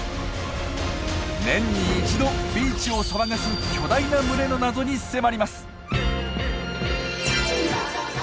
年に一度ビーチを騒がす巨大な群れの謎に迫ります！